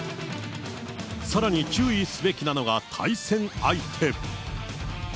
さらに注意すべきなのが対戦相手。